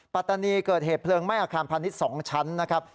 ปัตตานีเกิดเหตุเพลิงไหม้อาคารพาณิชย์๒ชั้นนะครับ